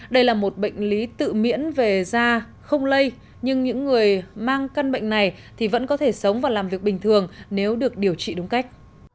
đây là một bệnh lý tự miễn về da không lây nhưng những người mang căn bệnh này thì vẫn có thể sống và làm việc bình thường nếu được điều trị đúng cách